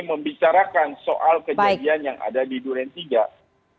membicarakan soal kejadian yang ada di duren tiga